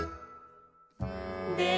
で